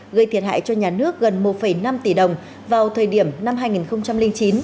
gây thiệt hại cho nhà nước gần một năm tỷ đồng vào thời điểm năm hai nghìn chín